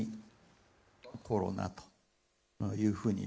コロナというふうに。